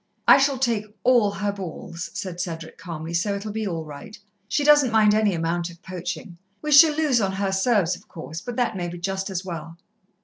"I shall take all her balls," said Cedric calmly, "so it'll be all right. She doesn't mind any amount of poaching. We shall lose on her serves, of course, but that may be just as well."